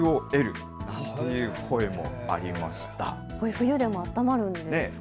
冬でもあったまるんですね。